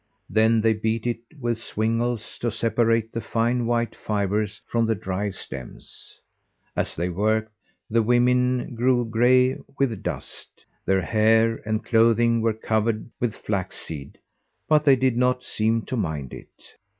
Then they beat it with swingles, to separate the fine white fibres from the dry stems. As they worked, the women grew gray with dust; their hair and clothing were covered with flax seed, but they did not seem to mind it.